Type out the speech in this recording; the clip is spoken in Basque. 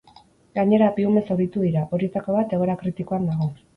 Gainera, bi ume zauritu dira, horietako bat egoera kritikoan dago.